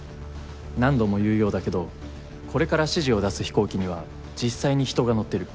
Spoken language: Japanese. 何度も言うようだけどこれから指示を出す飛行機には実際に人が乗ってる。